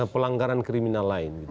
pelanggaran kriminal lain